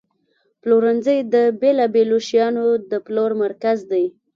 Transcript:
پلورنځی د بیلابیلو شیانو د پلور مرکز دی.